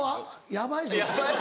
ヤバいぞと。